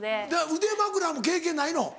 腕枕も経験ないの？